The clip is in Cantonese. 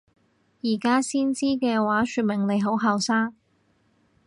而家先知嘅話說明你好後生！